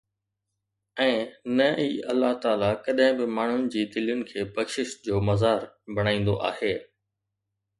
۽ نه ئي الله تعاليٰ ڪڏهن به ماڻهن جي دلين کي بخشش جو مزار بڻائيندو آهي.